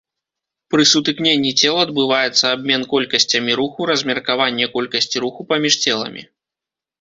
Пры сутыкненні цел адбываецца абмен колькасцямі руху, размеркаванне колькасці руху паміж целамі.